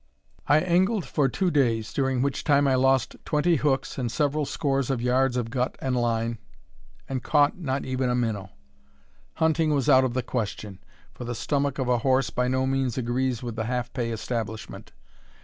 I angled for two days, during which time I lost twenty hooks, and several scores of yards of gut and line, and caught not even a minnow. Hunting was out of the question, for the stomach of a horse by no means agrees with the half pay establishment.